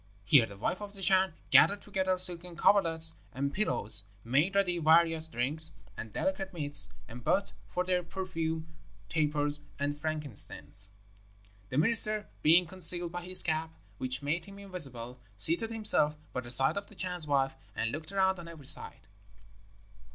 Here the wife of the Chan gathered together silken coverlets and pillows, made ready various drinks and delicate meats, and burnt for their perfume tapers and frankincense. The minister being concealed by his cap, which made him invisible, seated himself by the side of the Chan's wife, and looked around on every side.